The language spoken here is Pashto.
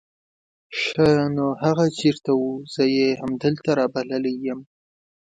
ښا نو هغه چېرته وو؟ زه يې همدلته رابللی يم.